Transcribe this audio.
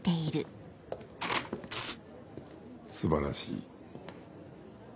素晴らしい。